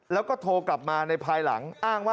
แล้วก็โทรกลับมาในภายหลัง